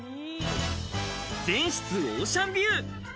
全室オーシャンビュー。